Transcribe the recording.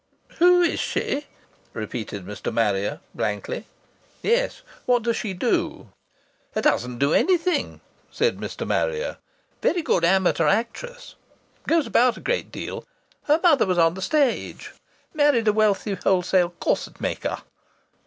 "Who is she?" repeated Mr. Marrier, blankly. "Yes. What does she do?" "Doesn't do anything," said Mr. Marrier. "Very good amateur actress. Goes about a great deal. Her mother was on the stage. Married a wealthy wholesale corset maker."